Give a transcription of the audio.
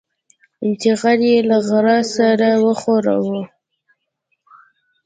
چې غر يې له غره سره وښوراوه.